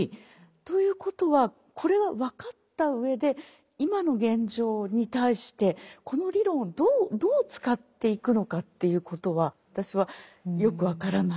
ということはこれは分かったうえで今の現状に対してこの理論をどう使っていくのかということは私はよく分からない。